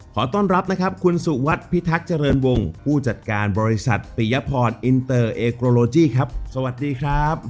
ขอต้อนรับนะครับคุณสุวัสดิพิทักษ์เจริญวงผู้จัดการบริษัทปิยพรอินเตอร์เอโกโลจี้ครับสวัสดีครับ